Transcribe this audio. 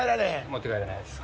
持って帰れないです。